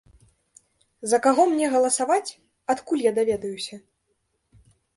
За каго мне галасаваць, адкуль я даведаюся?